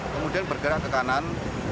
kemudian bergerak ke kanan